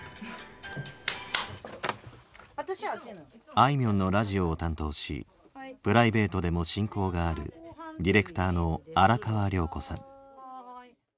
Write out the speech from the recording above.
あいみょんのラジオを担当しプライベートでも親交があるディレクターの荒川涼子さん。